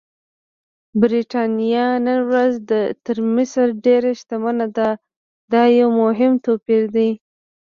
برېټانیا نن ورځ تر مصر ډېره شتمنه ده، دا یو مهم توپیر دی.